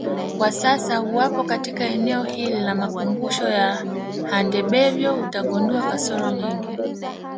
Kwa sasa uwapo katika eneo hili la makumbusho ya Handebevyo utagundua kasoro nyingi